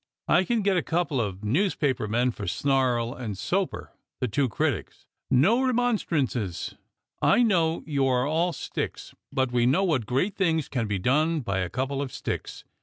I can get a couple of newsjjaper men for Snarl and Soaper, the two critics. No remonstrances. I know you are all sticks ; but we know what great things can be done by a bundle of sticks.